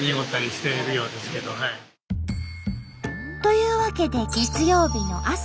というわけで月曜日の朝。